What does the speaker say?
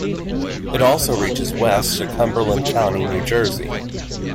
It also reaches west to Cumberland County, New Jersey.